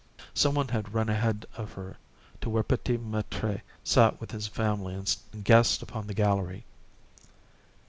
Some one had run ahead of her to where P'tit Maître sat with his family and guests upon the gallery.